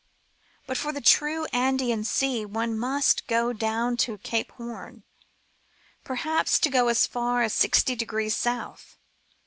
But for the true Andean sea one must go down to Cape Horn, perhaps to as far as sixty degrees south.